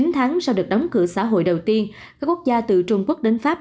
chín tháng sau được đóng cửa xã hội đầu tiên các quốc gia từ trung quốc đến pháp